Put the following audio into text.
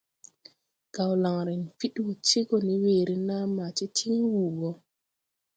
Gawlanre fid wɔ ti go ne weere naa ma ti tin wuu woo.